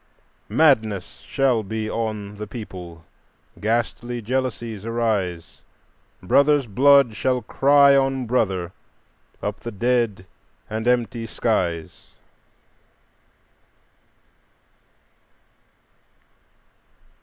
Madness shall be on the people, ghastly jealousies arise; Brother's blood shall cry on brother up the dead and empty skies."